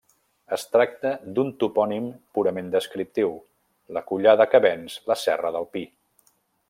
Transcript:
Es tracta d'un topònim purament descriptiu: la collada que venç la Serra del Pi.